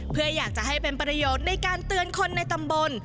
เพื่ออยากจะให้เป็นประโยชน์ในการเตือนคนในตำบล